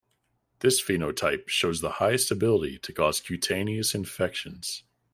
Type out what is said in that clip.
This phenotype shows the highest ability to cause cutaneous infections.